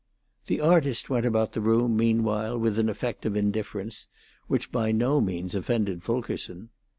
The artist went about the room, meanwhile, with an effect of indifference which by no means offended Fulkerson.